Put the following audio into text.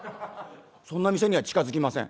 そんな店には近づきません」。